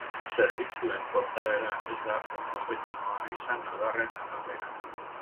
Zerbitzuen portaera ez da homogeneoa izan adarren arabera.